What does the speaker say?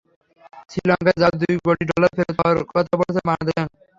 শ্রীলঙ্কায় যাওয়া দুই কোটি ডলার ফেরত পাওয়ার কথা বলেছে বাংলাদেশ ব্যাংক।